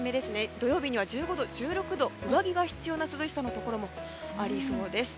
土曜日には１５度、１６度と上着が必要な涼しさのところもありそうです。